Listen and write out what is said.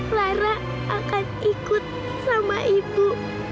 clara akan ikut sama ibu